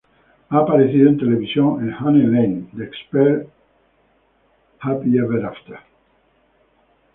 Ha aparecido en televisión en "Honey Lane", "The Expert", h "Happy ever after".